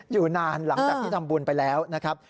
อยู่นานหลังจากที่ทำบุญไปแล้วนะครับ